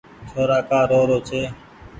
ڇورآ ڪآ رو رو ڇي